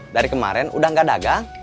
dari kemarin udah gak dagang